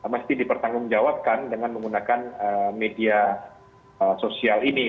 pasti dipertanggung jawabkan dengan menggunakan media sosial ini